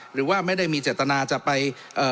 หรือว่าไม่ได้มีเจตนาจะไป